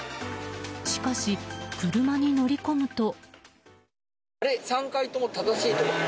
しかし、車に乗り込むと。